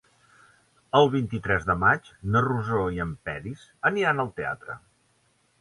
El vint-i-tres de maig na Rosó i en Peris aniran al teatre.